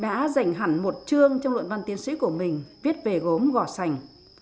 đã dành hẳn một trương trong luận văn tiên sĩ của mình viết về gốm gò sành